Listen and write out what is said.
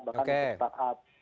bahkan di start up